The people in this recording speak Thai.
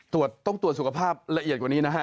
ตรวจต้องตรวจสุขภาพละเอียดกว่านี้นะฮะ